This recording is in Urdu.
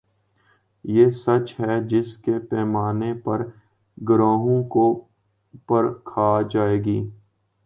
یہ سچ ہے جس کے پیمانے پر گروہوں کو پرکھا جائے گا۔